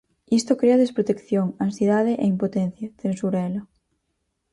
"Isto crea desprotección, ansiedade e impotencia", censura ela.